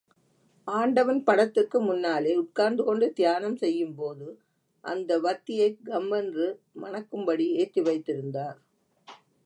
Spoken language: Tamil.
ஆண்டவன் படத்திற்கு முன்னாலே உட்கார்ந்து கொண்டு தியானம் செய்யும்போது, அந்த வத்தியைக் கம்மென்று மணக்கும்படி ஏற்றி வைத்திருந்தார்.